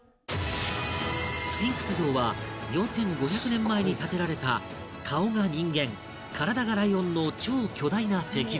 スフィンクス像は４５００年前に建てられた顔が人間体がライオンの超巨大な石像